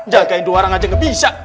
jagain dua orang aja nggak bisa